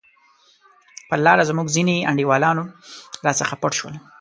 پر لار زموږ ځیني انډیوالان راڅخه پټ شول.